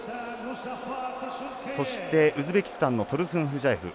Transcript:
そして、ウズベキスタンのトルスンフジャエフ。